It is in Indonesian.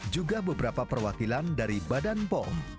juga beberapa perwakilan dari badan pom